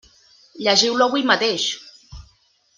Llegiu-lo avui mateix!